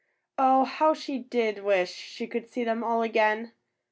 Oh, how she did wish she could see them all again!